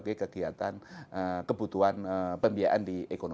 juga sebagian dari program program yang ada di atas